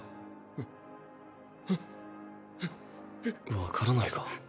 わからないか？